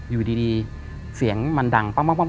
อยู่ดีเสียงมันดัง